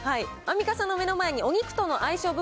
アンミカさんの目の前にお肉との相性